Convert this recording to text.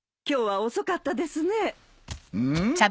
今日は遅かったですね。